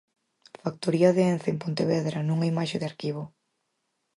Factoría de Ence en Pontevedra nunha imaxe de arquivo.